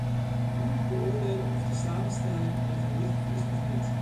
Wie moet beoordelen of de samenstelling evenwichtig is of niet?